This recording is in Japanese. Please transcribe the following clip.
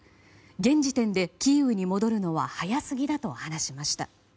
現時点でキーウに戻るのは早すぎだと話しました。